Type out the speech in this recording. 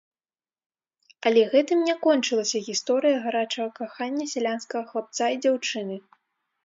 Але гэтым не кончылася гісторыя гарачага кахання сялянскага хлапца і дзяўчыны.